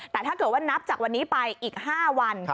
แต่ถ้าเกิดว่านับจากวันนี้ไปอีก๕วัน